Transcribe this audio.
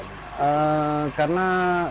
untuk perigaya ini kenapa tertarik untuk membudayaikan